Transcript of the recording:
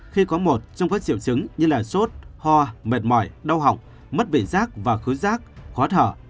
khi có một trong các triệu chứng như là sốt hoa mệt mỏi đau hỏng mất vị giác và khứ giác khó thở